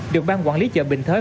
được ban quản lý chợ bình thới